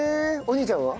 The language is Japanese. お兄ちゃんは？